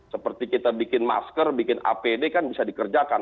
seperti kita bikin masker bikin apd kan bisa dikerjakan